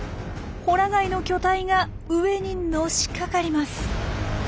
ホラガイの巨体が上にのしかかります。